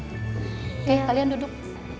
oke kalian duduk